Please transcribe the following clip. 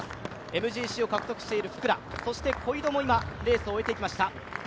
ＭＧＣを獲得している福良、小井戸も今、レースを終えてきました。